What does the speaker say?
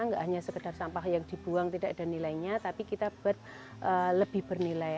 nggak hanya sekedar sampah yang dibuang tidak ada nilainya tapi kita buat lebih bernilai